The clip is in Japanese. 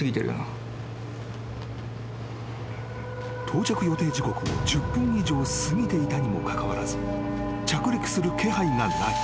［到着予定時刻を１０分以上過ぎていたにもかかわらず着陸する気配がない］